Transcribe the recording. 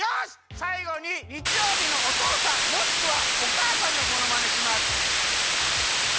さいごににちようびのおとうさんもしくはおかあさんのものまねします。